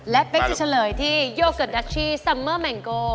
และเป๊กจะเฉลยที่โยเกิร์ตดัชชี่ซัมเมอร์แมงโก